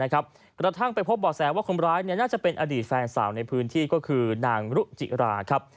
กระทั่งไปพบบ่อแสว่าคนร้ายน่าจะเป็นอดีตแฟนสาวในพื้นที่ก็คือนางรุจิราครับ